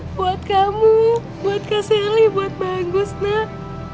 buat kamu buat kak sally buat bang gus nak